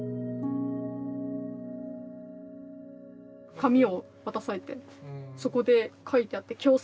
紙を渡されてそこで書いてあって「強制退去です」。